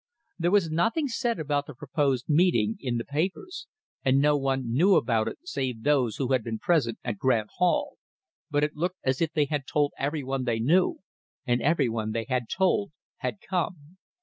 There had been nothing said about the proposed meeting in the papers, and no one knew about it save those who had been present at Grant Hall. But it looked as if they had told everyone they knew, and everyone they had told had come.